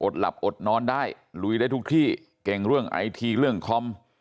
หลับอดนอนได้ลุยได้ทุกที่เก่งเรื่องไอทีเรื่องคอม